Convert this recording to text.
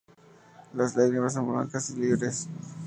Las láminas son blancas y libres.